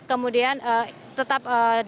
kemudian tetap dilakukan